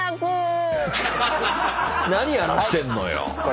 何やらせてんのよ。